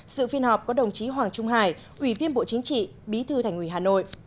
sự phiên họp có đồng chí hoàng trung hải ủy viên bộ chính trị bí thư thành ủy hà nội